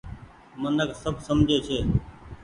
منک سب سمجهي ڇي۔